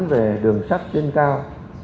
về đường sắt trên cao